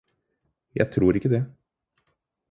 Jeg tror ikke det.